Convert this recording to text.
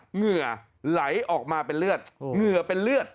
เหงื่อไหลออกมาเป็นเลือดเหงื่อเป็นเลือด